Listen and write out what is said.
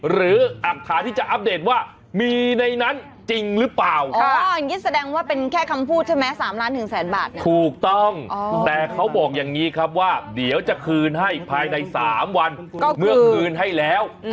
หรืออักฐานที่จะอัปเดตว่ามีในนั้นจริงหรือเปล่า